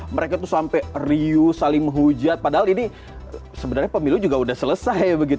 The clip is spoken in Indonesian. mereka tuh sampai riuh saling menghujat padahal ini sebenarnya pemilu juga sudah selesai begitu